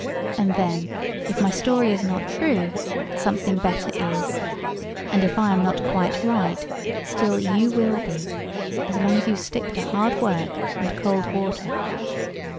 And then, if my story is not true, something better is; and if I am not quite right, still you will be, as long as you stick to hard work and cold water.